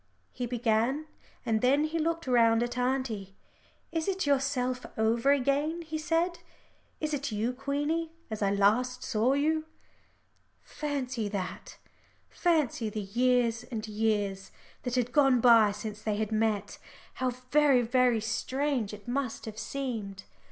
he began, and then he looked round at auntie. "It is yourself over again," he said, "it is you, Queenie as I last saw you." Fancy that; fancy the years and years that had gone by since they had met! How very, very strange it must have seemed.